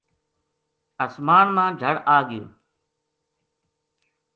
آسمان ما جھڑ آگیو